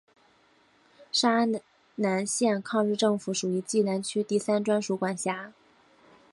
沙南县抗日政府属于冀南区第三专署管辖。